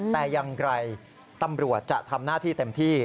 แต่ยังไกลตำรวจจะทำหน้าที่เต็มที่